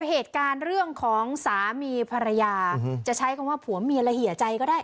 เหตุการณ์เรื่องของสามีภรรยาจะใช้คำว่าผัวเมียละเหี่ยใจก็ได้